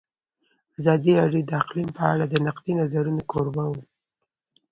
ازادي راډیو د اقلیم په اړه د نقدي نظرونو کوربه وه.